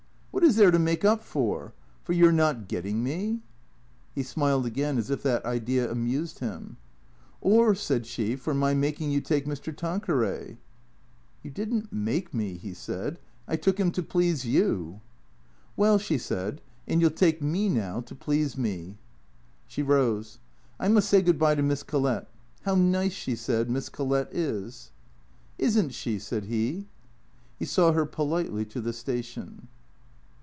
" What is there to make up for ? For your not getting me ?" He smiled again as if that idea amused him. " Or," said she, " for my making you take Mr. Tanqueray ?"" You did n't make me," he said. " I took him to please you." " Well," she said ;" and you '11 take me now, to please me." She rose. " I must say good bye to Miss Collett. How nice," she said, " Miss Collett is." " Is n't she ?" said he. He saw her politely to the station.